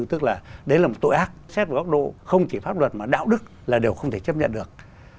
tức là đấy là một tội ác xét một góc độ không chỉ pháp luật mà đạo đức là đều không thể chấp nhận được